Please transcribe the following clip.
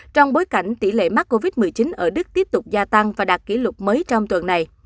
trong bối cảnh tỷ lệ mắc covid một mươi chín ở đức tiếp tục gia tăng và đạt kỷ lục mới trong tuần này